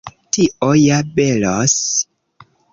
Tio ja belos!